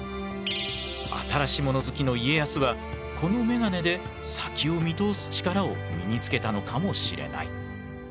新しもの好きの家康はこのめがねで先を見通す力を身につけたのかもしれない。